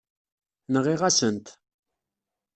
Nɣiɣ-asen-t.